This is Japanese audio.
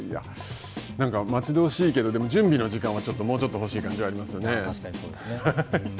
待ち遠しいけど準備の時間はもうちょっと欲しい感じはありますよね。